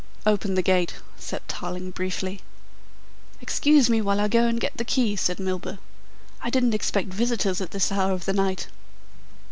"Open the gate," said Tarling briefly. "Excuse me while I go and get the key," said Milburgh. "I didn't expect visitors at this hour of the night."